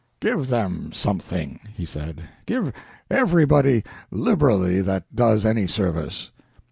"Give them something," he said; "give everybody liberally that does any service."